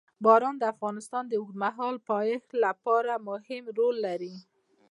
باران د افغانستان د اوږدمهاله پایښت لپاره مهم رول لري.